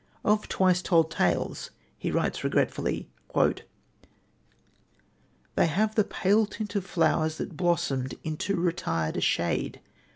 Of Twice Told Tales he writes regretfully: "They have the pale tint of flowers that blossomed in too retired a shade...